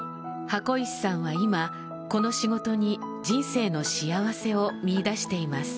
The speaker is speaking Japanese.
箱石さんは今、この仕事に人生の幸せを見いだしています。